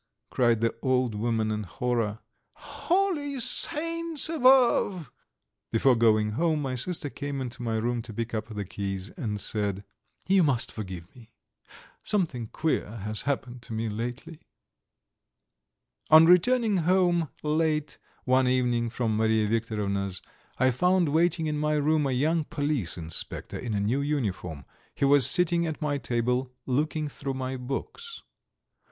cried the old woman in horror. "Holy Saints above!" Before going home my sister came into my room to pick up the keys, and said: "You must forgive me. Something queer has happened to me lately." VIII On returning home late one evening from Mariya Viktorovna's I found waiting in my room a young police inspector in a new uniform; he was sitting at my table, looking through my books.